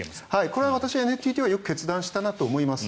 これは私ＮＴＴはよく決断したなと思います。